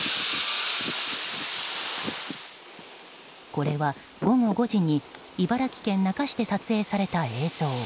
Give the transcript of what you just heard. これは午後５時に茨城県那珂市で撮影された映像。